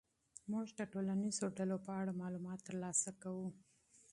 موږ د ټولنیزو ډلو په اړه معلومات ترلاسه کوو.